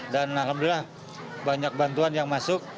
dan alhamdulillah banyak bantuan yang masuk